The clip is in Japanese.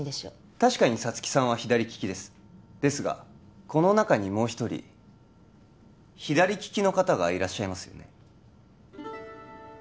確かに皐月さんは左利きですですがこの中にもう一人左利きの方がいらっしゃいますよね